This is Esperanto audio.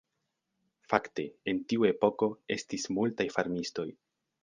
Fakte en tiu epoko estis multaj farmistoj.